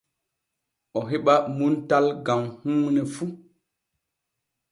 O heɓa muntal gam huune fu.